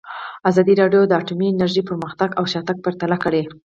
ازادي راډیو د اټومي انرژي پرمختګ او شاتګ پرتله کړی.